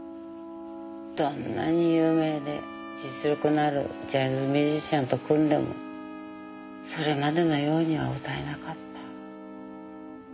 どんなに有名で実力のあるジャズミュージシャンと組んでもそれまでのようには歌えなかった。